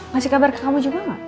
masih kabar ke kamu juga nggak